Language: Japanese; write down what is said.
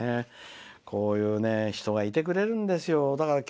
こういう人がいてくれるんですよ。